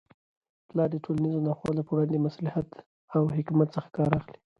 پلار د ټولنیزو ناخوالو په وړاندې د مصلحت او حکمت څخه کار اخلي.